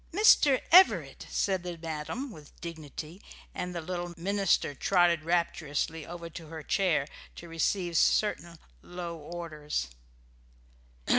"Mister Everett!" said the madam, with dignity, and the little minister trotted rapturously over to her chair to receive certain low orders.